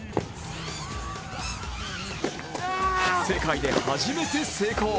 世界で初めて成功。